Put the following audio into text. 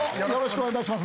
お願いします